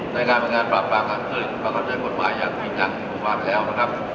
ในการปราบราบการเจริตก็เข้าในกฎหมายอย่างอีกอย่างที่ผมฟังแล้วนะครับ